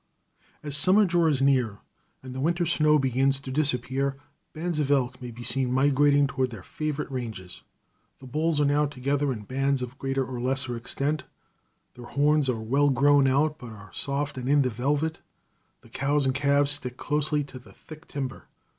As summer draws near, and the winter snow begins to disappear, bands of elk may be seen migrating toward their favorite ranges. The bulls are now together in bands of greater or less extent. Their horns are well grown out, but are soft and in the velvet. The cows and calves stick closely to the thick timber.